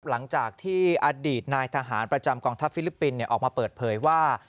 หลังจากที่อดีตนายทหารประจำกองทัพฟิลิปปินส์ออกมาเปิดเผยว่า